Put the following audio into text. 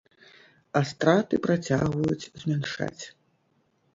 А страты працягваюць змяншаць.